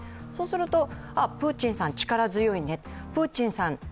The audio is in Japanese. そうすると、プーチンさん力強いね、プーチンさん